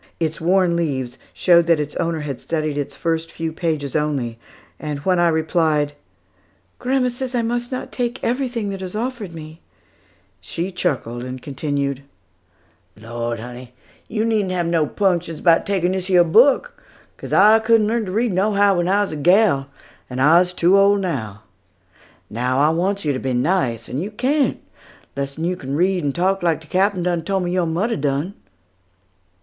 Its worn leaves showed that its owner had studied its first few pages only; and when I replied, "Grandma says that I must not take everything that is offered me," she chuckled and continued: "Lawd, honey, yo needn't have no 'punctions 'bout takin' dis yer book, 'cos I couldn't learn to read nohow when I was a gal, and I's too ole to now. Now, I wants yo to be nice; and yo can't, lessen yo can read and talk like de Captain done tole me yo mudder done."